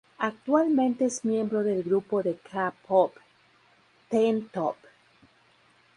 Actualmente es miembro del grupo de K-Pop, Teen Top.